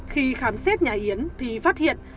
khi khám xét nhà yến thì phát hiện